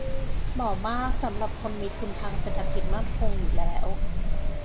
เหมาะมากสำหรับคนมีทุนทางเศรษฐกิจมั่นคงอยู่แล้ว